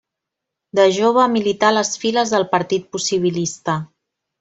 De jove milità a les files del partit Possibilista.